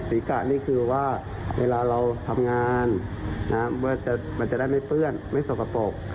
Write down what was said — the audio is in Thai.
กะนี่คือว่าเวลาเราทำงานมันจะได้ไม่เปื้อนไม่สกปรก